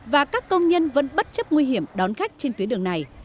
và các công nhân vẫn bất chấp nguy hiểm đón khách trên tuyến đường này